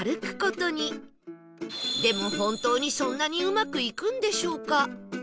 でも本当にそんなにうまくいくんでしょうか？